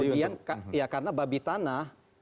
bagian ya karena babi tanah